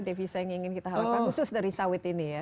devisa yang ingin kita harapkan khusus dari sawit ini ya